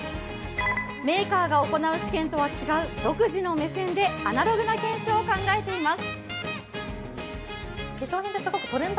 メーカーが行う試験とは違う、独自の目線でアナログな検証を考えています。